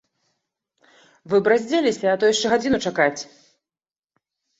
Вы б раздзеліся, а то яшчэ гадзіну чакаць.